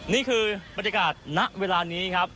นี่คือบรรยากาศณเวลานี้ครับ